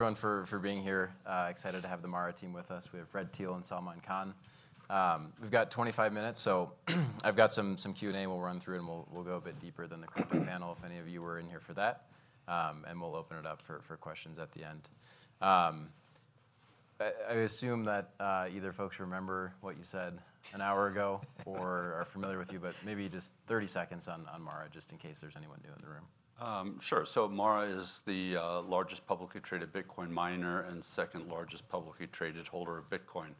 Everyone, for being here. Excited to have the MARA team with us. We have Fred Thiel and Salman Khan. We've got 25 minutes, so I've got some Q&A we'll run through, and we'll go a bit deeper than the company panel if any of you were in here for that. We'll open it up for questions at the end. I assume that either folks remember what you said an hour ago or are familiar with you, but maybe just 30 seconds on MARA, just in case there's anyone new in the room. Sure. MARA is the largest publicly traded Bitcoin miner and second largest publicly traded holder of Bitcoin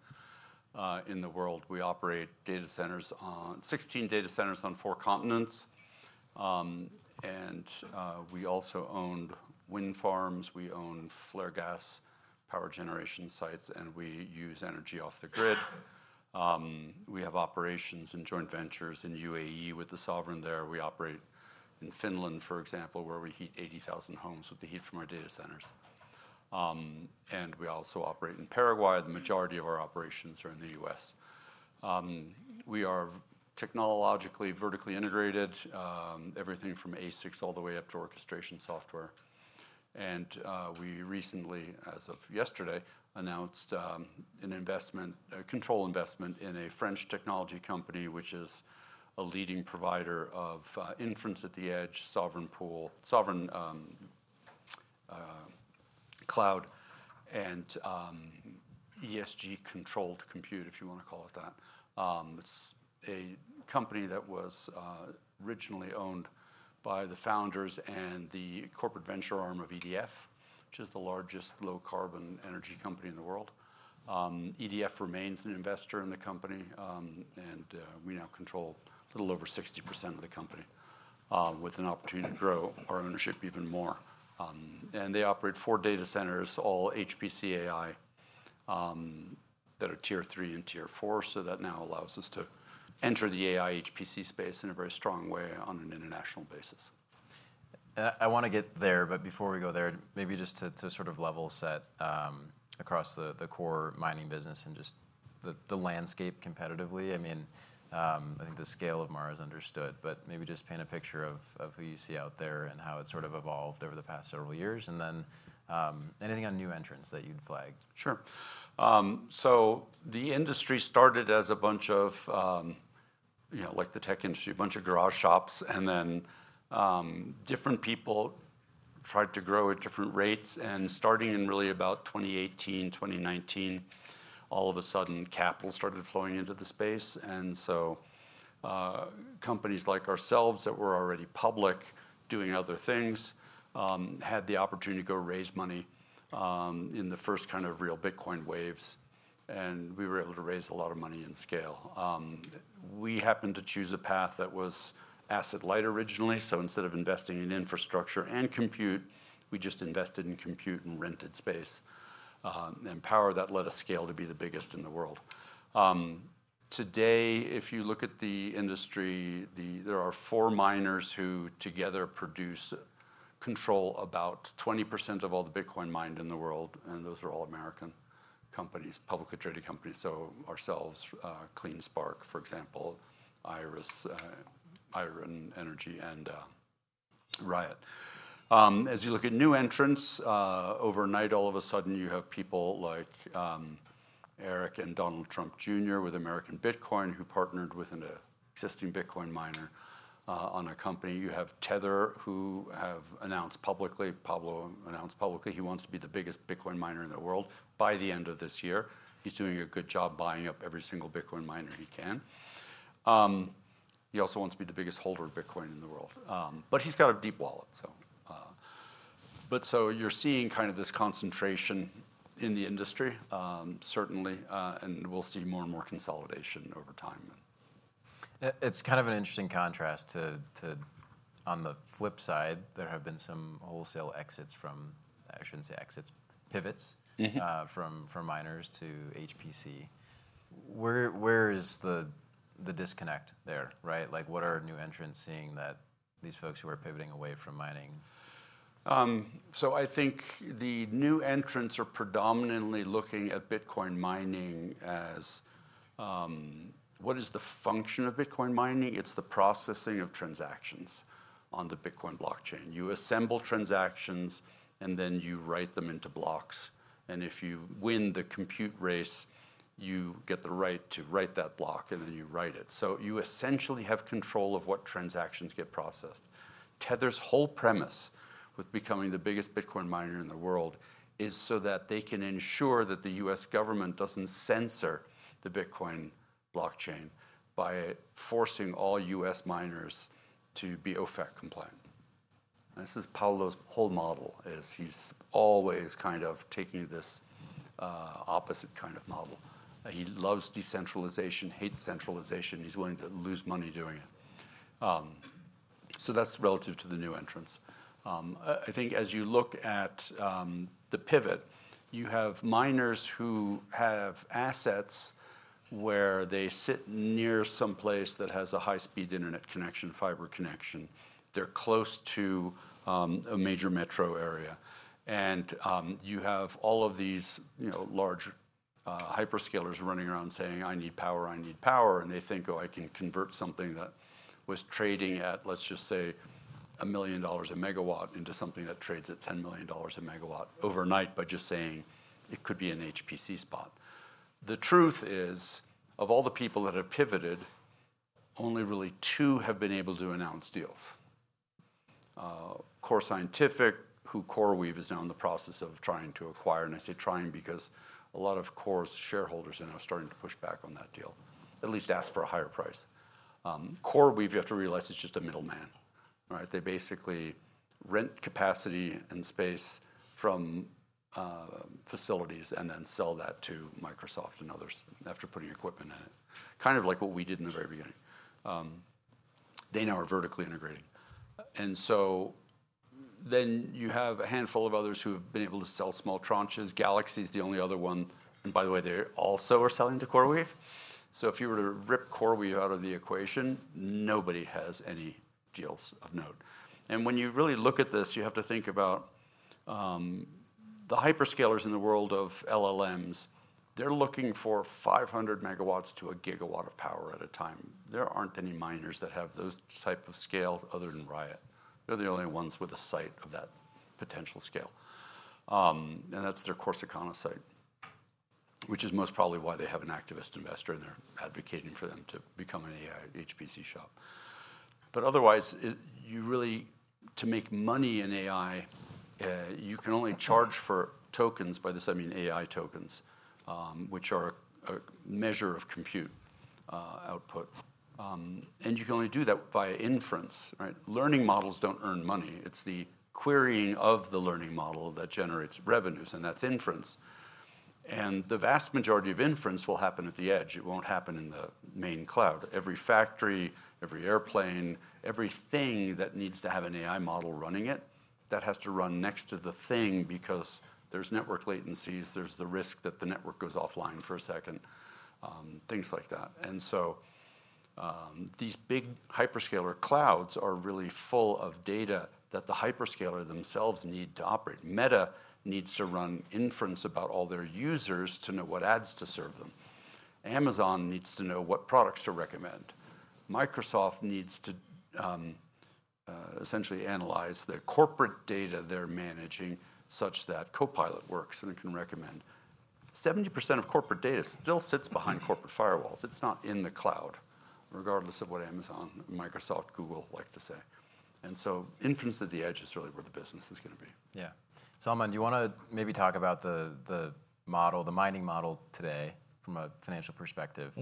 in the world. We operate 16 data centers on four continents. We also own wind farms. We own flare gas power generation sites, and we use energy off the grid. We have operations and joint ventures in UAE with the sovereign there. We operate in Finland, for example, where we heat 80,000 homes with the heat from our data centers. We also operate in Paraguay. The majority of our operations are in the US. We are technologically vertically integrated, everything from ASICs all the way up to orchestration software. We recently, as of yesterday, announced an investment, a control investment in a French technology company, which is a leading provider of inference at the edge, sovereign cloud, and ESG-controlled compute, if you want to call it that. It's a company that was originally owned by the founders and the corporate venture arm of EDF, which is the largest low-carbon energy company in the world. EDF remains an investor in the company, and we now control a little over 60% of the company with an opportunity to grow our ownership even more. They operate four data centers, all HPC AI, that are tier-three and tier-four. That now allows us to enter the AI HPC space in a very strong way on an international basis. I want to get there, but before we go there, maybe just to sort of level set across the core mining business and just the landscape competitively. I think the scale of MARA is understood, but maybe just paint a picture of who you see out there and how it's sort of evolved over the past several years. Anything on new entrants that you'd flag. Sure. The industry started as a bunch of, you know, like the tech industry, a bunch of garage shops, and then different people tried to grow at different rates. Starting in really about 2018, 2019, all of a sudden capital started flowing into the space. Companies like ourselves that were already public doing other things had the opportunity to go raise money in the first kind of real Bitcoin waves. We were able to raise a lot of money in scale. We happened to choose a path that was asset-light originally. Instead of investing in infrastructure and compute, we just invested in compute and rented space and power. That let us scale to be the biggest in the world. Today, if you look at the industry, there are four miners who together control about 20% of all the Bitcoin mined in the world. Those are all American companies, publicly traded companies. Ourselves, CleanSpark, for example, Iris Energy, and Riot. As you look at new entrants, overnight, all of a sudden you have people like Eric and Donald Trump Jr. with American Bitcoin who partnered with an existing Bitcoin miner on a company. You have Tether who have announced publicly, Pablo announced publicly, he wants to be the biggest Bitcoin miner in the world by the end of this year. He's doing a good job buying up every single Bitcoin miner he can. He also wants to be the biggest holder of Bitcoin in the world. He's got a deep wallet. You are seeing kind of this concentration in the industry, certainly, and we'll see more and more consolidation over time. It's kind of an interesting contrast to, on the flip side, there have been some wholesale exits from, I shouldn't say exits, pivots from miners to HPC. Where is the disconnect there, right? Like what are new entrants seeing that these folks who are pivoting away from mining? I think the new entrants are predominantly looking at Bitcoin mining as what is the function of Bitcoin mining? It's the processing of transactions on the Bitcoin blockchain. You assemble transactions, and then you write them into blocks. If you win the compute race, you get the right to write that block, and then you write it. You essentially have control of what transactions get processed. Tether's whole premise with becoming the biggest Bitcoin miner in the world is so that they can ensure that the U.S. government doesn't censor the Bitcoin blockchain by forcing all U.S. miners to be OFAC compliant. This is Pado AI's whole model. He's always kind of taking this opposite kind of model. He loves decentralization, hates centralization. He's willing to lose money doing it. That's relative to the new entrants. I think as you look at the pivot, you have miners who have assets where they sit near someplace that has a high-speed internet connection, fiber connection. They're close to a major metro area. You have all of these large hyperscalers running around saying, "I need power, I need power." They think, "Oh, I can convert something that was trading at, let's just say, $1 million a megawatt into something that trades at $10 million a megawatt overnight by just saying it could be an HPC spot." The truth is, of all the people that have pivoted, only really two have been able to announce deals. Core Scientific, who CoreWeave is now in the process of trying to acquire. I say trying because a lot of Core's shareholders are now starting to push back on that deal, at least ask for a higher price. CoreWeave, you have to realize, is just a middleman. They basically rent capacity and space from facilities and then sell that to Microsoft and others after putting equipment in it, kind of like what we did in the very beginning. They now are vertically integrating. Then you have a handful of others who have been able to sell small tranches. Galaxy is the only other one. By the way, they also are selling to CoreWeave. If you were to rip CoreWeave out of the equation, nobody has any deals of note. When you really look at this, you have to think about the hyperscalers in the world of LLMs. They're looking for 500 MW to 1 GW of power at a time. There aren't any miners that have those types of scales other than Riot. They're the only ones with a site of that potential scale. That's their Corsicana site, which is most probably why they have an activist investor in there advocating for them to become an HPC shop. Otherwise, to make money in AI, you can only charge for tokens. By this, I mean AI tokens, which are a measure of compute output. You can only do that via inference. Learning models don't earn money. It's the querying of the learning model that generates revenues, and that's inference. The vast majority of inference will happen at the edge. It won't happen in the main cloud. Every factory, every airplane, everything that needs to have an AI model running it, that has to run next to the thing because there's network latencies. There's the risk that the network goes offline for a second, things like that. These big hyperscaler clouds are really full of data that the hyperscaler themselves need to operate. Meta needs to run inference about all their users to know what ads to serve them. Amazon needs to know what products to recommend. Microsoft needs to essentially analyze the corporate data they're managing such that Copilot works and can recommend. 70% of corporate data still sits behind corporate firewalls. It's not in the cloud, regardless of what Amazon, Microsoft, Google like to say. Inference at the edge is really where the business is going to be. Yeah. Salman, do you want to maybe talk about the model, the mining model today from a financial perspective,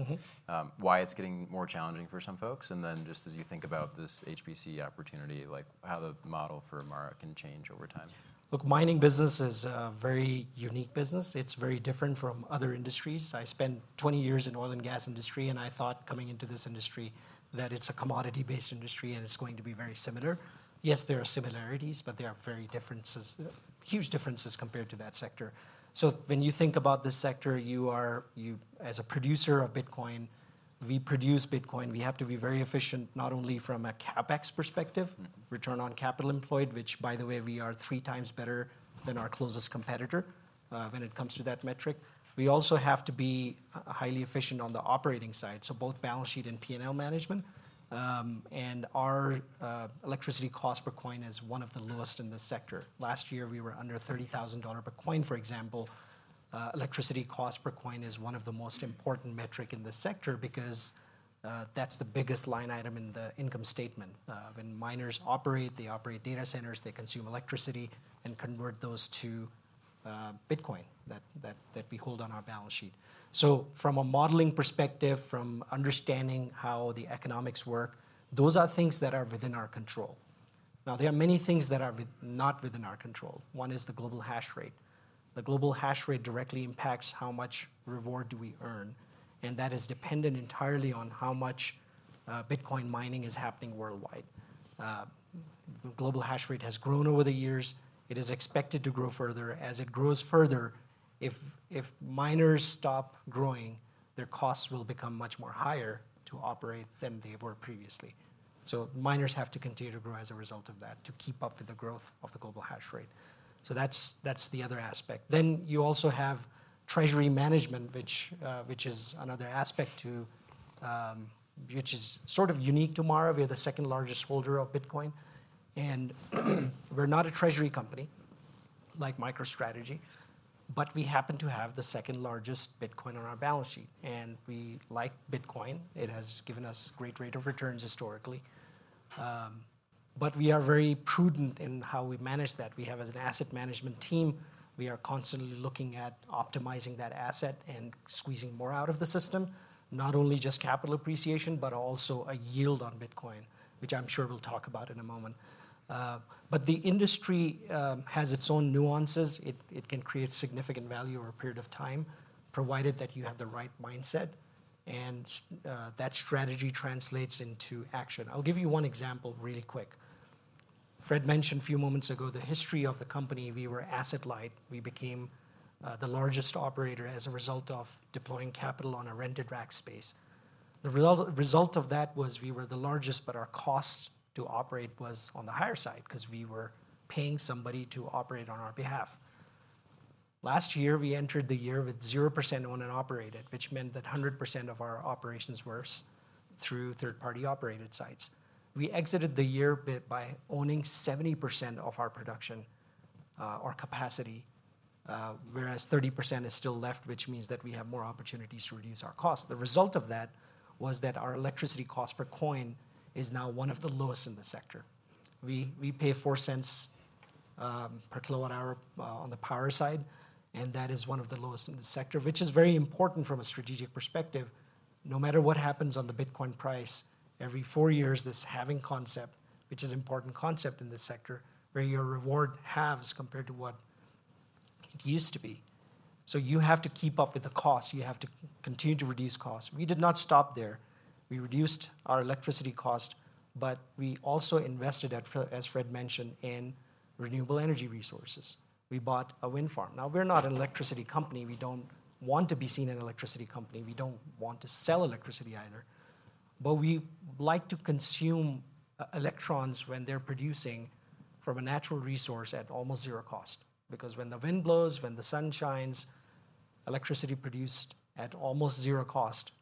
why it's getting more challenging for some folks, and then just as you think about this HPC opportunity, like how the model for MARA can change over time? Look, mining business is a very unique business. It's very different from other industries. I spent 20 years in the oil and gas industry, and I thought coming into this industry that it's a commodity-based industry and it's going to be very similar. Yes, there are similarities, but there are very differences, huge differences compared to that sector. When you think about this sector, you are, as a producer of Bitcoin, we produce Bitcoin. We have to be very efficient, not only from a CapEx perspective, return on capital employed, which, by the way, we are 3x better than our closest competitor when it comes to that metric. We also have to be highly efficient on the operating side. Both balance sheet and P&L management. Our electricity cost per coin is one of the lowest in this sector. Last year, we were under $30,000 per coin, for example. Electricity cost per coin is one of the most important metrics in this sector because that's the biggest line item in the income statement. When miners operate, they operate data centers, they consume electricity, and convert those to Bitcoin that we hold on our balance sheet. From a modeling perspective, from understanding how the economics work, those are things that are within our control. There are many things that are not within our control. One is the global hash rate. The global hash rate directly impacts how much reward we earn. That is dependent entirely on how much Bitcoin mining is happening worldwide. The global hash rate has grown over the years. It is expected to grow further. As it grows further, if miners stop growing, their costs will become much more higher to operate than they were previously. Miners have to continue to grow as a result of that to keep up with the growth of the global hash rate. That's the other aspect. You also have treasury management, which is another aspect which is sort of unique to MARA. We are the second largest holder of Bitcoin. We're not a treasury company like MicroStrategy, but we happen to have the second largest Bitcoin on our balance sheet. We like Bitcoin. It has given us great rate of returns historically. We are very prudent in how we manage that. We have an asset management team. We are constantly looking at optimizing that asset and squeezing more out of the system, not only just capital appreciation, but also a yield on Bitcoin, which I'm sure we'll talk about in a moment. The industry has its own nuances. It can create significant value over a period of time, provided that you have the right mindset. That strategy translates into action. I'll give you one example really quick. Fred mentioned a few moments ago the history of the company. We were asset-light. We became the largest operator as a result of deploying capital on a rented rack space. The result of that was we were the largest, but our costs to operate were on the higher side because we were paying somebody to operate on our behalf. Last year, we entered the year with 0% owned-and-operated, which meant that 100% of our operations were through third-party operated sites. We exited the year by owning 70% of our production, our capacity, whereas 30% is still left, which means that we have more opportunities to reduce our costs. The result of that was that our electricity cost per coin is now one of the lowest in the sector. We pay $0.04 per kilowatt hour on the power side, and that is one of the lowest in the sector, which is very important from a strategic perspective. No matter what happens on the Bitcoin price, every four years, this halving concept, which is an important concept in this sector, where your reward halves compared to what it used to be. You have to keep up with the costs. You have to continue to reduce costs. We did not stop there. We reduced our electricity costs, but we also invested, as Fred mentioned, in renewable energy resources. We bought a wind farm. We are not an electricity company. We don't want to be seen as an electricity company. We don't want to sell electricity either. We like to consume electrons when they're producing from a natural resource at almost zero cost. When the wind blows, when the sun shines, electricity is produced at almost zero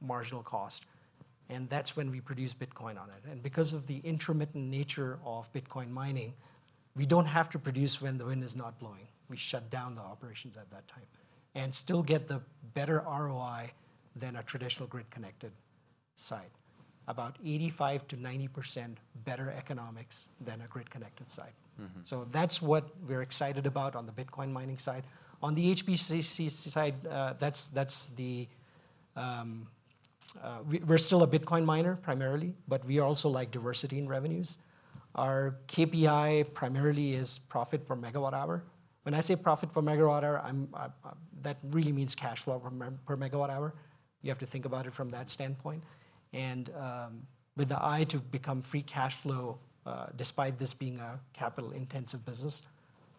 marginal cost. That's when we produce Bitcoin on it. Because of the intermittent nature of Bitcoin mining, we don't have to produce when the wind is not blowing. We shut down the operations at that time and still get the better ROI than a traditional grid-connected site. About 85% to 90% better economics than a grid-connected site. That's what we're excited about on the Bitcoin mining side. On the high-performance computing side, we're still a Bitcoin miner primarily, but we also like diversity in revenues. Our KPI primarily is profit per megawatt hour. When I say profit per megawatt hour, that really means cash flow per megawatt hour. You have to think about it from that standpoint. With the eye to become free cash flow, despite this being a capital-intensive business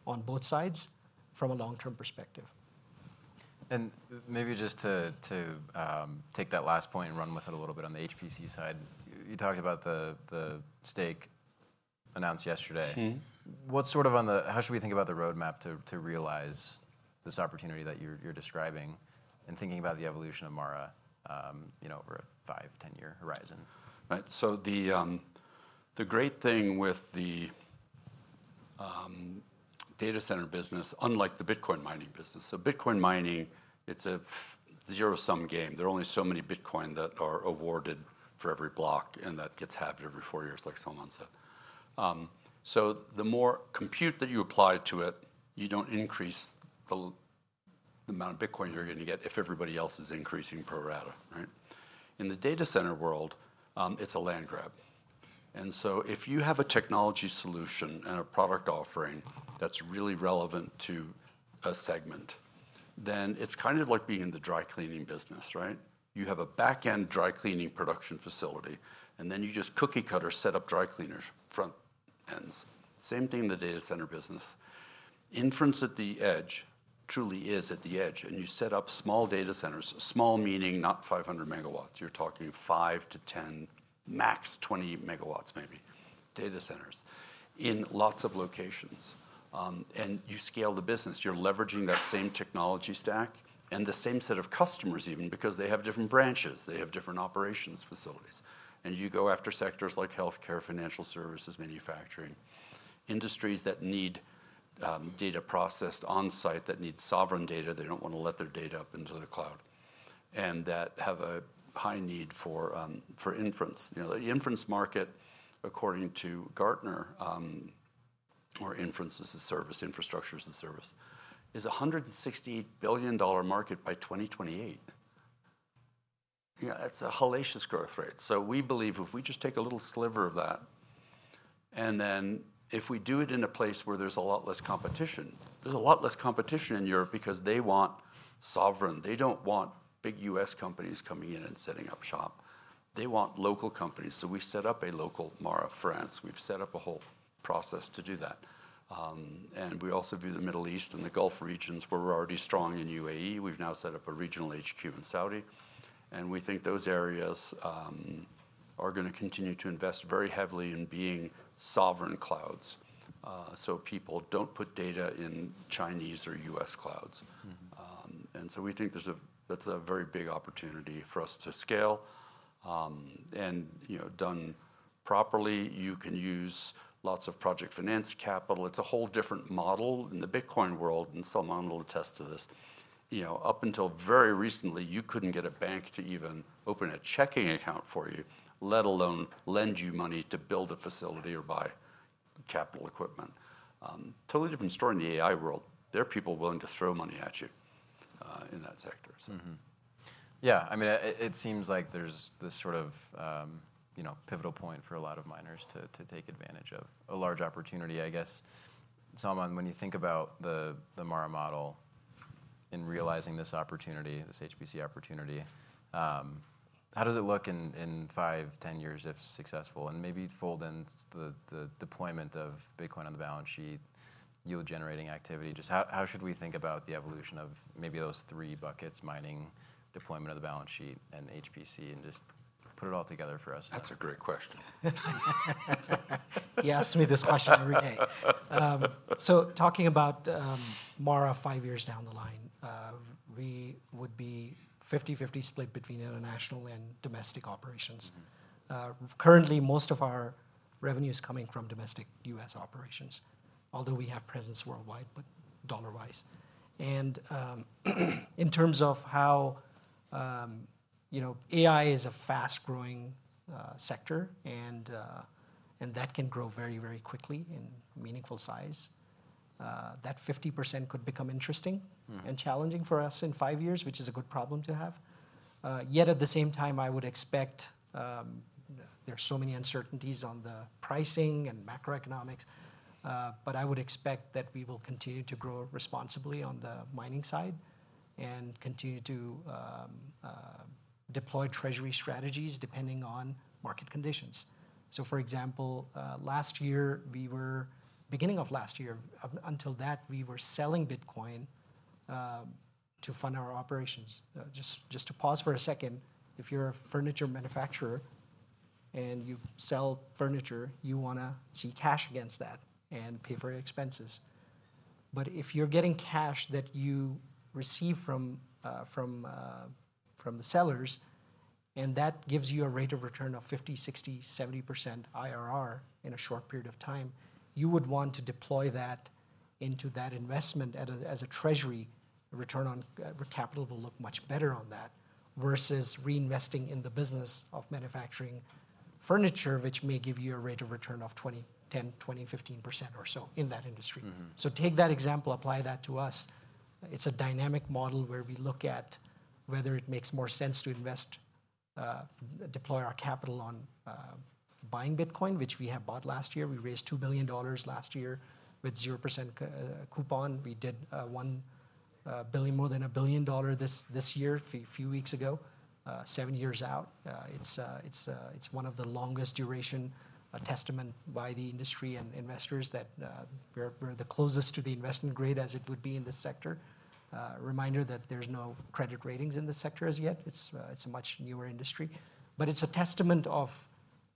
on both sides from a long-term perspective. Maybe just to take that last point and run with it a little bit on the high-performance computing side, you talked about the stake announced yesterday. What's sort of on the, how should we think about the roadmap to realize this opportunity that you're describing and thinking about the evolution of MARA Holdings over a five, ten-year horizon? Right. The great thing with the data center business, unlike the Bitcoin mining business, is that Bitcoin mining is a zero-sum game. There are only so many Bitcoin that are awarded for every block and that gets halved every four years, like Salman said. The more compute that you apply to it, you do not increase the amount of Bitcoin you are going to get if everybody else is increasing pro rata. In the data center world, it is a land grab. If you have a technology solution and a product offering that is really relevant to a segment, then it is kind of like being in the dry cleaning business, right? You have a backend dry cleaning production facility, and then you just cookie cutter set up dry cleaners front ends. Same thing in the data center business. AI inference at the edge truly is at the edge, and you set up small data centers, small meaning not 500 MW. You are talking five to ten, max 20 MW maybe, data centers in lots of locations. You scale the business. You are leveraging that same technology stack and the same set of customers even because they have different branches, they have different operations facilities. You go after sectors like health care, financial services, manufacturing, industries that need data processed on-site, that need sovereign data. They do not want to let their data up into the cloud and have a high need for inference. The inference market, according to Gartner, or inference as a service, infrastructure as a service, is a $160 billion market by 2028. That is a hellacious growth rate. We believe if we just take a little sliver of that, and if we do it in a place where there is a lot less competition, there is a lot less competition in Europe because they want sovereign. They do not want big U.S. companies coming in and setting up shop. They want local companies. We set up a local MARA France. We have set up a whole process to do that. We also do the Middle East and the Gulf regions where we are already strong in UAE. We have now set up a regional HQ in Saudi Arabia. We think those areas are going to continue to invest very heavily in being sovereign clouds. People do not put data in Chinese or U.S. clouds. We think that is a very big opportunity for us to scale. Done properly, you can use lots of project finance capital. It is a whole different model in the Bitcoin world, and Salman will attest to this. Up until very recently, you could not get a bank to even open a checking account for you, let alone lend you money to build a facility or buy capital equipment. Totally different story in the AI world. There are people willing to throw money at you in that sector. Yeah, I mean, it seems like there's this sort of pivotal point for a lot of miners to take advantage of a large opportunity, I guess. Salman, when you think about the MARA model in realizing this opportunity, this HPC opportunity, how does it look in five, ten years if successful? Maybe fold in the deployment of Bitcoin on the balance sheet, yield-generating activity. Just how should we think about the evolution of maybe those three buckets: mining, deployment of the balance sheet, and HPC, and just put it all together for us? That's a great question. He asked me this question every day. Talking about MARA five years down the line, we would be a 50/50 split between international and domestic operations. Currently, most of our revenue is coming from domestic U.S. operations, although we have presence worldwide, but dollar-wise. In terms of how AI is a fast-growing sector, and that can grow very, very quickly in meaningful size, that 50% could become interesting and challenging for us in five years, which is a good problem to have. Yet at the same time, I would expect there are so many uncertainties on the pricing and macroeconomics, but I would expect that we will continue to grow responsibly on the mining side and continue to deploy treasury strategies depending on market conditions. For example, last year, we were, beginning of last year, until that, we were selling Bitcoin to fund our operations. If you're a furniture manufacturer and you sell furniture, you want to see cash against that and pay for your expenses. If you're getting cash that you receive from the sellers, and that gives you a rate of return of 50%, 60%, 70% IRR in a short period of time, you would want to deploy that into that investment as a treasury. Return on capital will look much better on that versus reinvesting in the business of manufacturing furniture, which may give you a rate of return of 10%, 20%, 15% or so in that industry. Take that example, apply that to us. It's a dynamic model where we look at whether it makes more sense to invest, deploy our capital on buying Bitcoin, which we have bought last year. We raised $2 billion last year with 0% coupon. We did $1 billion, more than $1 billion this year, a few weeks ago, seven years out. It's one of the longest duration testaments by the industry and investors that we're the closest to the investment grade as it would be in this sector. Reminder that there's no credit ratings in the sector as yet. It's a much newer industry. It's a testament of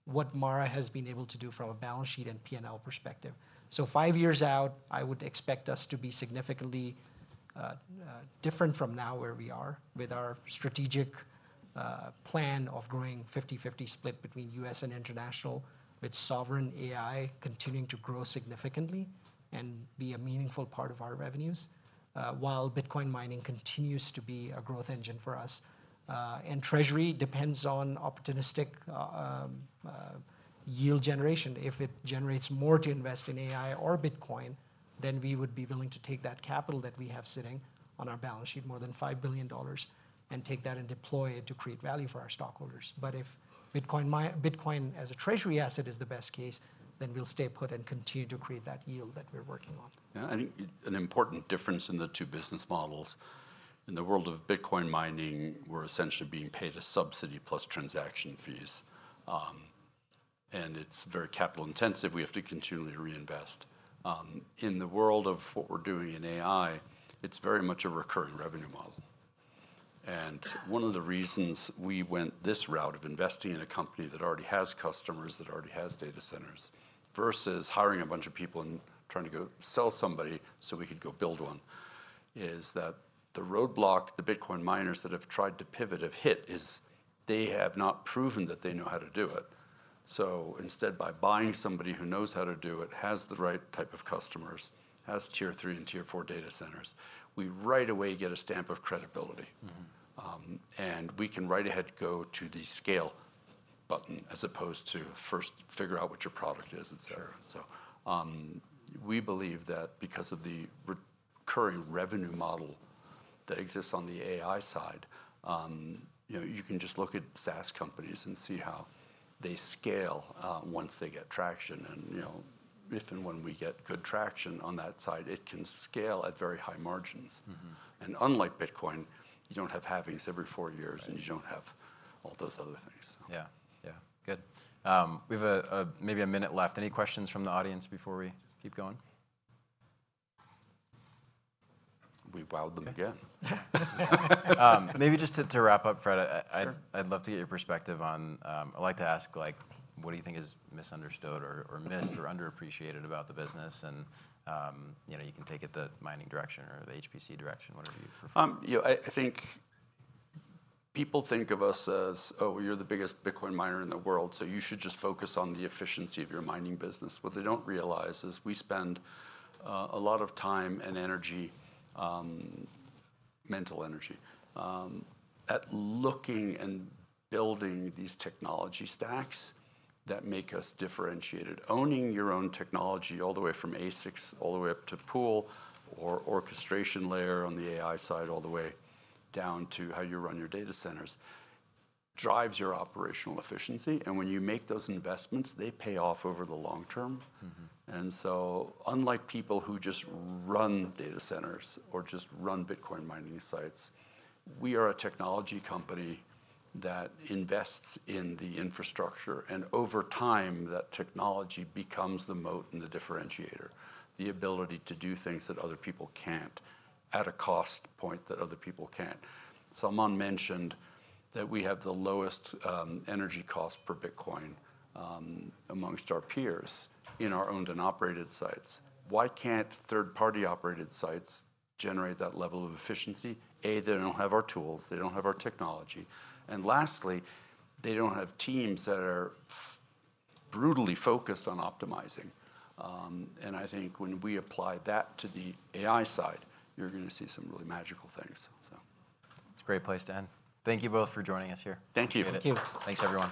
what MARA has been able to do from a balance sheet and P&L perspective. Five years out, I would expect us to be significantly different from now where we are with our strategic plan of growing 50/50 split between U.S. and international, with sovereign AI continuing to grow significantly and be a meaningful part of our revenues, while Bitcoin mining continues to be a growth engine for us. Treasury depends on opportunistic yield generation. If it generates more to invest in AI or Bitcoin, we would be willing to take that capital that we have sitting on our balance sheet, more than $5 billion, and take that and deploy it to create value for our stockholders. If Bitcoin as a treasury asset is the best case, we will stay put and continue to create that yield that we're working on. I think an important difference in the two business models. In the world of Bitcoin mining, we're essentially being paid a subsidy plus transaction fees, and it's very capital intensive. We have to continually reinvest. In the world of what we're doing in AI, it's very much a recurring revenue model. One of the reasons we went this route of investing in a company that already has customers, that already has data centers, versus hiring a bunch of people and trying to go sell somebody so we could go build one, is that the roadblock the Bitcoin miners that have tried to pivot have hit is they have not proven that they know how to do it. Instead, by buying somebody who knows how to do it, has the right type of customers, has tier-three and tier-four data centers, we right away get a stamp of credibility. We can right ahead go to the scale button as opposed to first figure out what your product is, et cetera. We believe that because of the recurring revenue model that exists on the AI side, you can just look at SaaS companies and see how they scale once they get traction. If and when we get good traction on that side, it can scale at very high margins. Unlike Bitcoin, you don't have halvings every four years, and you don't have all those other things. Yeah, good. We have maybe a minute left. Any questions from the audience before we keep going? We bowed them again. Maybe just to wrap up, Fred, I'd love to get your perspective on what do you think is misunderstood or missed or underappreciated about the business? You can take it the mining direction or the HPC direction, whatever you. I think people think of us as, oh, you're the biggest Bitcoin miner in the world, so you should just focus on the efficiency of your mining business. What they don't realize is we spend a lot of time and energy, mental energy, at looking and building these technology stacks that make us differentiated. Owning your own technology all the way from ASICs all the way up to pool or orchestration software on the AI side, all the way down to how you run your data centers, drives your operational efficiency. When you make those investments, they pay off over the long term. Unlike people who just run data centers or just run Bitcoin mining sites, we are a technology company that invests in the infrastructure. Over time, that technology becomes the moat and the differentiator, the ability to do things that other people can't at a cost point that other people can't. Salman mentioned that we have the lowest energy cost per Bitcoin amongst our peers in our owned-and-operated sites. Why can't third-party operated sites generate that level of efficiency? They don't have our tools, they don't have our technology, and lastly, they don't have teams that are brutally focused on optimizing. I think when we apply that to the AI side, you're going to see some really magical things. It's a great place to end. Thank you both for joining us here. Thank you. Thank you. Thanks, everyone.